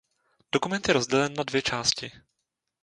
Dokument je rozdělen na dvě části.